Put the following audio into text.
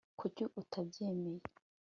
kuki utabyemeye